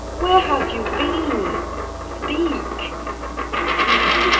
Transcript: Where have you been? Speak!"